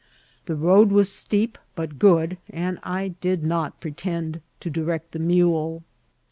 The road was steep but good, and I did not pretend to direct the mule.